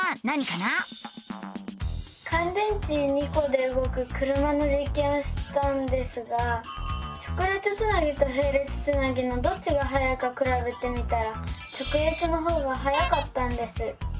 かん電池２コでうごく車のじっけんをしたんですが直列つなぎとへい列つなぎのどっちがはやいかくらべてみたら直列のほうがはやかったんです。